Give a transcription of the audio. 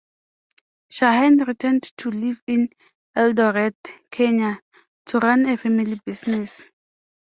Shaheen returned to live in Eldoret, Kenya to run a family business.